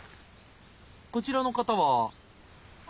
こちらの方は。